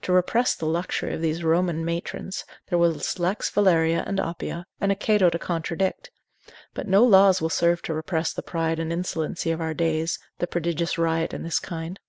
To repress the luxury of those Roman matrons, there was Lex Valeria and Oppia, and a Cato to contradict; but no laws will serve to repress the pride and insolency of our days, the prodigious riot in this kind.